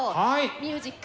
ミュージック。